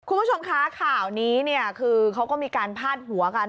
คุณผู้ชมคะข่าวนี้เนี่ยคือเขาก็มีการพาดหัวกัน